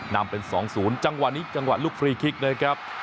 นำเป็น๒๐จังหวะนี้จังหวะลูกฟรีคลิกนะครับ